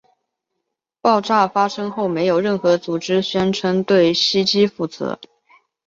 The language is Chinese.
爆炸发生后没有任何组织宣称对袭击负责。